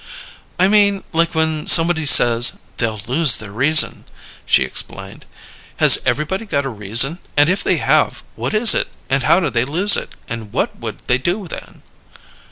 "I mean: like when somebody says, 'They'll lose their reason,'" she explained. "Has everybody got a reason, and if they have, what is it, and how do they lose it, and what would they do then?"